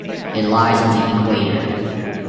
It lies on the equator.